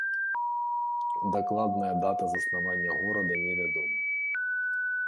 Дакладная дата заснавання горада невядома.